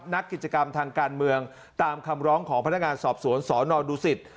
นักกิจกรรมทางการเมืองตามคำร้องของพนักงานสอบสวนสนดูสิต